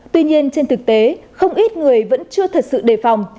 tuy nhiên trên thực tế không ít người vẫn chưa thật sự đề phòng